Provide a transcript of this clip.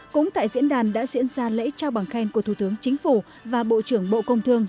cũng tại diễn đàn đã diễn ra lễ trao bằng khen của thủ tướng chính phủ và bộ trưởng bộ công thương